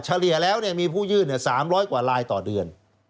เฉลี่ยแล้วมีผู้ยื่น๓๐๐กว่าลายต่อเดือน